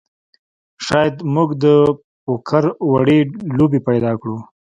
شاید موږ د پوکر وړې لوبې پیدا کړو